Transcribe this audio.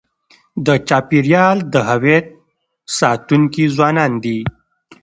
د چاپېریال د هویت ساتونکي ځوانان دي.